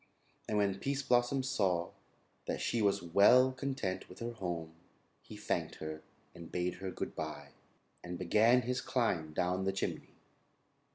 And when Pease Blossom saw that she was well content with her home, he thanked her and bade her good bye, and began his climb down the chimney.